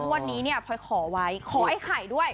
วันนี้พลอยขอไหว้ขอไอ้ไข่ด้วย